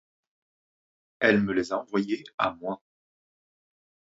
Elle me les a envoyés à moi.